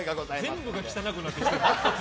全部が汚くなってきてる。